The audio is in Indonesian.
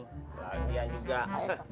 lagian juga haye kagak